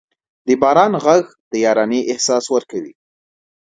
د باران ږغ د یارانې احساس ورکوي.